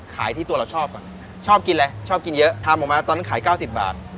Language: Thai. ที่ตัวเราชอบก่อนชอบกินอะไรชอบกินเยอะทำออกมาตอนนั้นขาย๙๐บาท